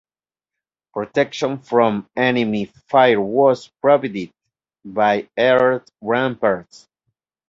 Protection from enemy fire was provided by earth ramparts.